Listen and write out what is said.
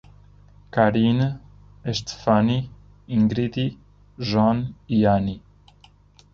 Karine, Estefani, Ingridi, Jhon e Any